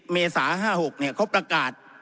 ๑๐เมษา๕๖เนี่ยเขาประกาศ